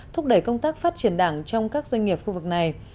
thúc đẩy công tác phát triển đảng trong các doanh nghiệp khu vực này